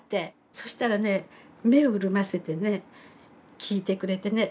そしたらね目を潤ませてね聞いてくれてね